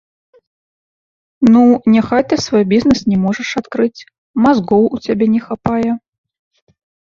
Ну, няхай ты свой бізнэс не можаш адкрыць, мазгоў у цябе не хапае.